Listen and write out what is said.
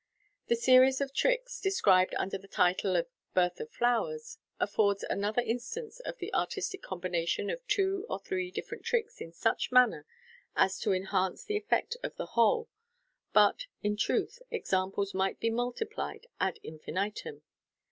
The series of tricks described under the title of the " Birth of Flowers " (page 411), affords another instance of the artistic combination of two or three different tricks in •uch manner as to enhance the effect of the whole ; but, in truth* examples might be multiplied ad irtfinitum.